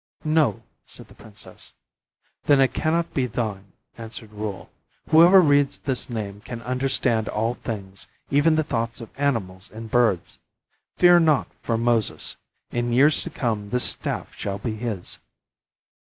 "No," said the princess. "Then it cannot be thine," answered Reuel. "Whosoever reads this name can understand all things, even the thoughts of animals and birds. Fear not for Moses. In years to come this staff shall be his."